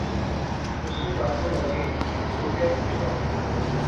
نصرت آخنے لاغی، ہن کہہ پچھاں